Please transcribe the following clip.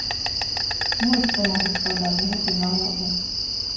Вось што магу сказаць з гэтай нагоды.